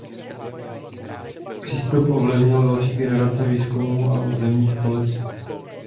Přístup ovlivnil další generace výzkumů a územních politik.